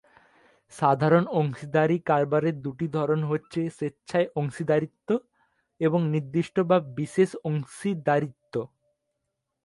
সাধারণ অংশীদারি কারবারের দুটি ধরন হচ্ছে স্বেচ্ছায় অংশীদারিত্ব এবং নির্দিষ্ট বা বিশেষ অংশীদারিত্ব।